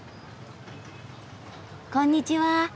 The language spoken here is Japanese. こんにちは。